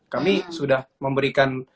kami sudah memberikan